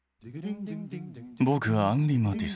僕はアンリ・マティス。